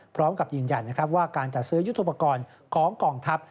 พร้อมกับยืนยันว่าการจัดซื้อยุทธุปกรณ์ของกองทัพ